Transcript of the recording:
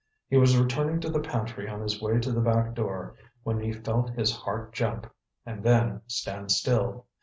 He was returning to the pantry on his way to the back door, when he felt his heart jump—and then stand still.